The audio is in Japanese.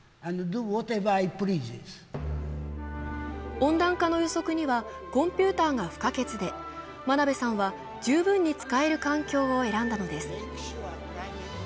温暖化の予測にはコンピューターが不可欠で、真鍋さんは十分に使える環境を選んだのです。